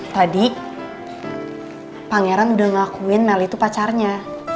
tadi pangeran udah ngakuin nelly itu pacarnya